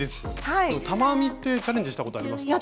玉編みってチャレンジしたことありますか？